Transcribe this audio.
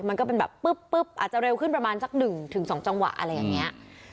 มันก็เป็นแบบปึ๊บอาจจะเร็วขึ้นประมาณจักรหนึ่งถึงสองจังหวะอะไรอย่างนี้